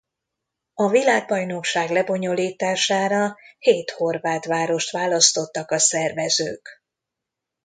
A világbajnokság lebonyolítására hét horvát várost választottak a szervezők.